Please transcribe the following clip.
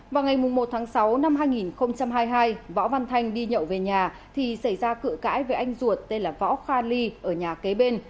vào ngày một tháng sáu năm hai nghìn hai mươi hai võ văn thanh đi nhậu về nhà thì xảy ra cự cãi với anh ruột tên là võ kha ly ở nhà kế bên